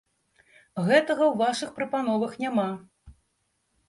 Гэтага ў вашых прапановах няма.